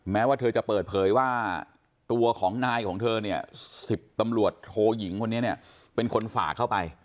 แม้ว่าเธอจะเปิดเผยว่าตัวของนายของเธอเนี่ย๑๐ตำรวจโทยิงคนนี้เนี่ยเป็นคนฝากเข้าไป